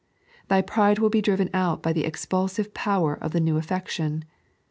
Thy pride will be driven out by the expulsive power of the new affection.